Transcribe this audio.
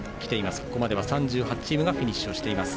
ここまでは３８チームがフィニッシュしています。